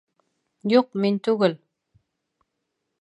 Юҡ, мин түгел